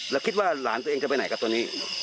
แล้วคิดว่าหลานตัวเองจะไปไหนกับตัวนี้